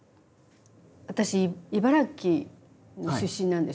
私茨城の出身なんですよ。